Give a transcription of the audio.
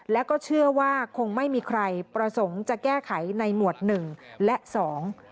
แล้วก็เชื่อว่าคงไม่มีใครประสงค์จะแก้ไขในหมวดหนึ่งและสอง